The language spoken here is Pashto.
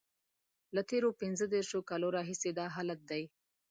له تېرو پنځه دیرشو کالو راهیسې دا حالت دی.